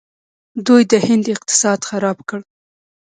دوی د هند اقتصاد خراب کړ.